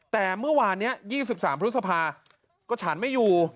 แต่เมื่อวานนี้๒๓พฤษภาก็ฉันไม่อยู่